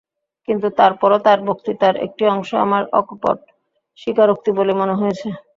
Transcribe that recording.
কিন্তু, তারপরও তাঁর বক্তৃতার একটি অংশ আমার অকপট স্বীকারোক্তি বলেই মনে হয়েছে।